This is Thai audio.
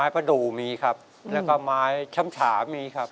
ประดูกมีครับแล้วก็ไม้ช้ำถามีครับ